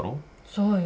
そうよ。